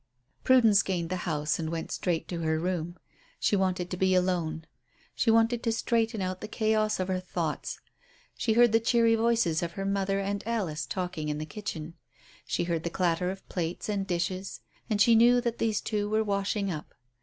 Prudence gained the house and went straight to her room. She wanted to be alone. She wanted to straighten out the chaos of her thoughts. She heard the cheery voices of her mother and Alice talking in the kitchen. She heard the clatter of plates and dishes, and she knew that these two were washing up.